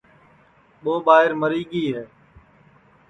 ٻو ٻائیر مری گی ہے